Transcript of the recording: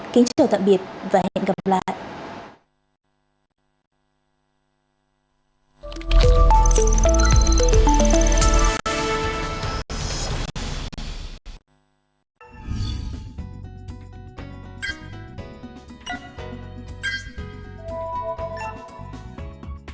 kính chào tạm biệt và hẹn gặp lại